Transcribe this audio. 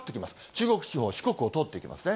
中国地方、四国を通っていきますね。